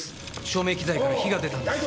照明機材から火が出たんです。